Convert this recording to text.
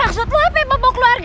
maksud lu apa ya bobok keluarga